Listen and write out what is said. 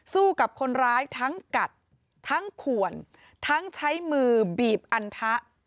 สู้กับคนร้ายทั้งกัดทั้งขวนทั้งใช้มือบีบอันทะ